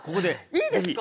いいですか？